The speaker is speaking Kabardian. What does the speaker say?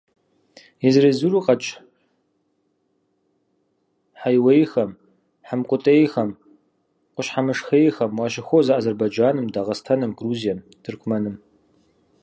Езыр–езыру къэкӀ хьэиуейхэм, хьэмкӀутӀейхэм, къущхьэмышхейхэм уащыхуозэ Азербайджаным, Дагъыстаным, Грузием, Тыркумэным.